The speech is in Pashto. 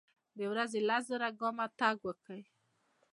د ورځي لس زره ګامه تګ وکړئ.